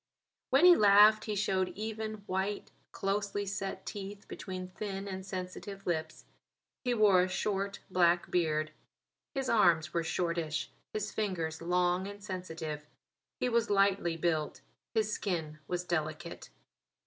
When he laughed he showed even, white, closely set teeth between thin and sensitive lips. He wore a short, black beard. His arms were shortish; his fingers long and sensitive. He was lightly built; his skin was delicate.